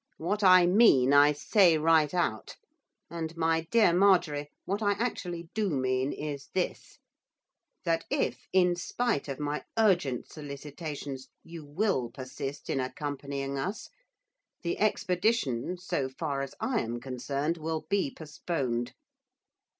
What I mean, I say right out; and, my dear Marjorie, what I actually do mean is this, that if, in spite of my urgent solicitations, you will persist in accompanying us, the expedition, so far as I am concerned, will be postponed.